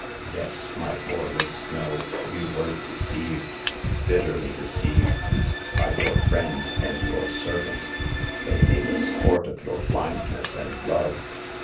Yes, my poor Miss Snow, you were deceived — bitterly deceived — by your friend and your serv ant. They made a sport of your blindness and love."